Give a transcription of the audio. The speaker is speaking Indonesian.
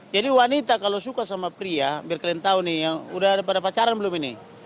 jadi wanita kalau suka sama pria biar kalian tahu nih udah ada pacaran belum ini